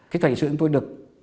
thì thành sự tôi được